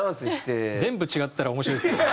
全部違ったら面白いですけどね。